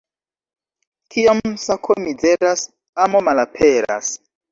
Kiam sako mizeras, amo malaperas.